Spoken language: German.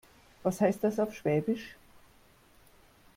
Was heißt das auf Schwäbisch?